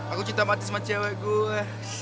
aku cinta mati sama cewek gue